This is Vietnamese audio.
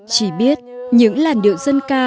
chỉ biết những làn điệu dân ca